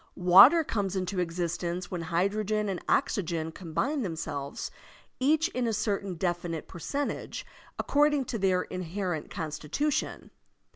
Water comes into existence when hydrogen and oxygen combine themselves, each in a certain definite percentage, according to their inherent consti tution.